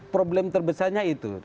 problem terbesarnya itu